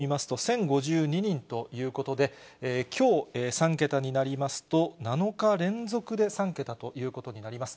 きょうは、先週の水曜日を見ますと、１０５２人ということで、きょう３桁になりますと、７日連続で３桁ということになります。